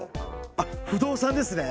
あっ不動産ですね。